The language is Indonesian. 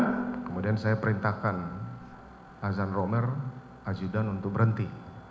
kemudian saya perintahkan azan romer ajudan untuk berhenti